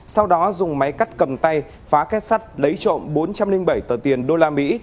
sau đó dùng máy cắt cầm tay phá kết sắt lấy trộm bốn trăm linh bảy tờ tiền đô la mỹ